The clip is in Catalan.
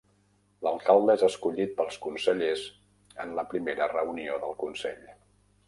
L'alcalde és escollit pels consellers en la primera reunió del Consell.